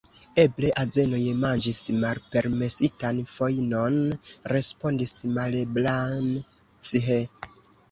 Eble azenoj manĝis malpermesitan fojnon, respondis Malebranche.